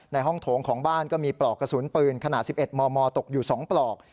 ในห้องโถงของบ้านก็มีปลอกกระสุนปืนขนาด๑๑มมตกอยู่๒ปลอก